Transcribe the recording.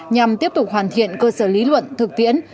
nhằm tiếp tục hoàn thiện cơ sở lý luận thực tiễn